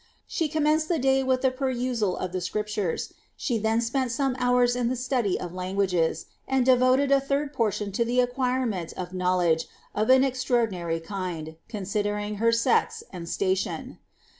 She commenced the day with the pennil of the Scriptures, she then spent some hours in the study of langiiages, tad devoted a third portion to the acquirement of knowledge of an eztnoi^ dinary kind, considering her sex and station.